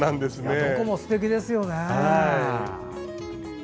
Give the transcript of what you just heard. どこもすてきですよね。